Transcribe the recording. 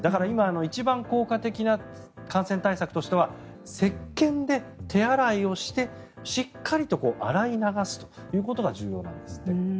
一番効果的な感染対策としてはせっけんで手洗いをしてしっかりと洗い流すということが重要なんです。